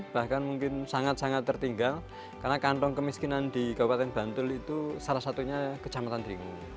bahkan mungkin sangat sangat tertinggal karena kantong kemiskinan di kabupaten bantul itu salah satunya kecamatan dringu